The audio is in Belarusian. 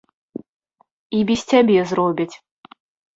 І без цябе зробяць.